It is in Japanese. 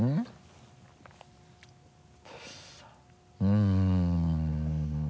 うん。